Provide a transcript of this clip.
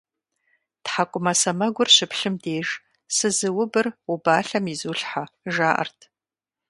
ТхьэкӀумэ сэмэгур щыплъым деж «Сызыубыр убалъэм изулъхьэ», жаӀэрт.